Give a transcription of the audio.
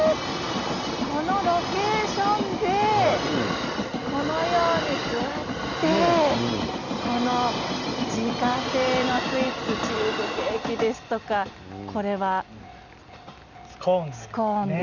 このロケーションでこのように座って自家製のスイーツチーズケーキですとかこちらはスコーンですね。